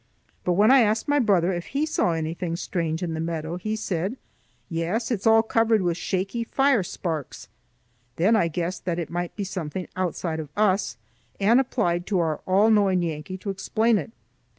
But when I asked my brother if he saw anything strange in the meadow he said, "Yes, it's all covered with shaky fire sparks." Then I guessed that it might be something outside of us, and applied to our all knowing Yankee to explain it.